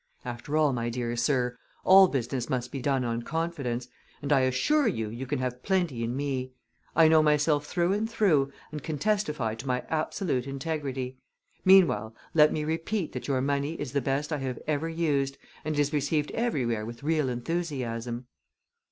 After all, my dear sir, all business must be done on confidence, and I assure you you can have plenty in me. I know myself through and through, and can testify to my absolute integrity. Meanwhile let me repeat that your money is the best I have ever used, and is received everywhere with real enthusiasm."